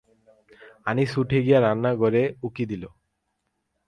আনিস উঠে গিয়ে রান্না ঘরে উঁকি দিল।